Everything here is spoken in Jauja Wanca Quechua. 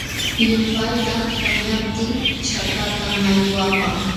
Llumpayta tamyaptin chakatam mayu apan.